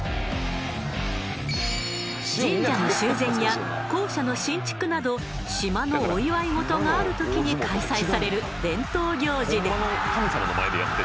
神社の修繕や校舎の新築など島のお祝い事がある時に開催される伝統行事で。